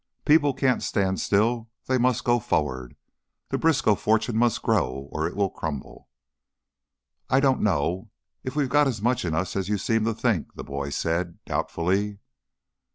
People can't stand still; they must go forward. The Briskow fortune must grow or it will crumble." "I dunno if we've got as much in us as you seem to think," the boy said, doubtfully.